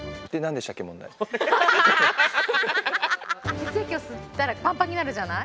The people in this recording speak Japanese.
血液を吸ったらぱんぱんになるじゃない？